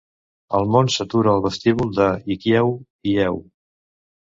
El món s'atura al vestíbul de l'Hikiau Heiau.